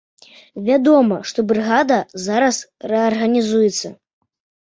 Вядома, што брыгада зараз рэарганізуецца.